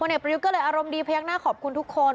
เอกประยุทธ์ก็เลยอารมณ์ดีพยักหน้าขอบคุณทุกคน